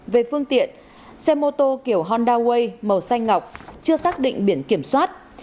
về phương tiện xe mô tô kiểu honda way màu xanh ngọc chưa xác định biển kiểm soát